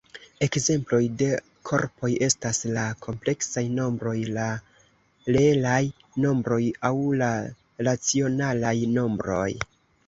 Ekzemploj de korpoj estas la kompleksaj nombroj, la reelaj nombroj aŭ la racionalaj nombroj.